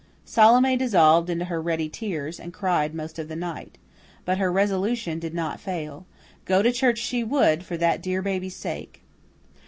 Salome dissolved into her ready tears, and cried most of the night. But her resolution did not fail. Go to church she would, for that dear baby's sake.